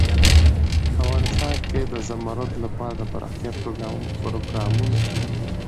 افغانستان کې د زمرد لپاره دپرمختیا پروګرامونه شته.